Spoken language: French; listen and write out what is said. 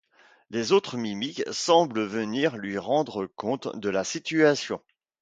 Les autres mimics semblent venir lui rendre compte de la situation.